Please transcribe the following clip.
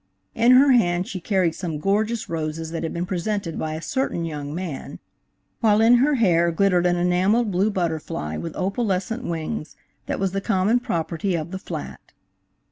In her hand she carried some gorgeous roses that had been presented by a certain young man, while in her hair glittered an enameled blue butterfly, with opalescent wings, that was the common property of the flat.